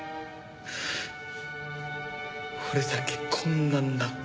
俺だけこんなんなって。